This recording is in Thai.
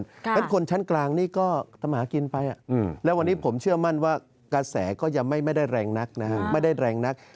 แล้วคนชั้นกลางนี่ก็ตำหากินไปแล้ววันนี้ผมเชื่อมั่นว่ากระแสก็ยังไม่ได้แรงนักนะครับ